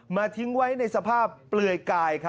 มาทิ้งไว้ในสภาพเบลยไกล